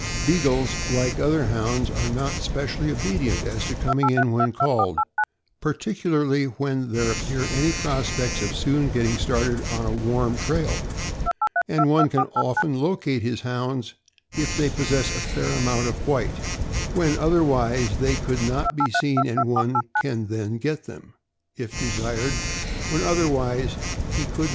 Beagles, like other Hounds, arejnot specially obedient as to coming in when called, particularly • when there appear any prospects of soon getting started on a warm trail; and one can often locate his Hounds if they possess a fair amount of white, when otherwise they could not be seen, and one can then get them, if desired, when otherwise he could not.